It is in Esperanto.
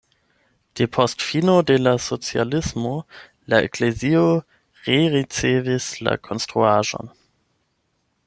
Depost fino de la socialismo la eklezio rericevis la konstruaĵon.